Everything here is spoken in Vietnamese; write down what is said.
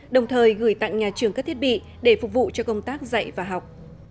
đồng thời gửi tặng nhà trường các thiết bị để phục vụ cho công tác dạy và học